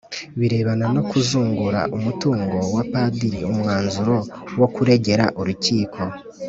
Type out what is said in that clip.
birebana no kuzungura umutungo wa Padiri umwanzuro wo kuregera urukiko